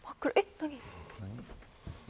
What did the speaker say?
何？